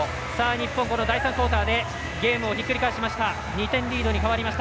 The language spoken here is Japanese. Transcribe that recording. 日本、この第３クオーターでゲームをひっくり返しました。